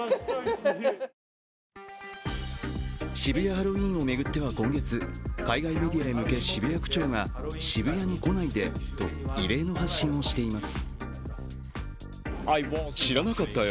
渋谷ハロウィーンを巡っては今月、海外メディアへ向け渋谷区長が渋谷に来ないでと異例の発信をしています。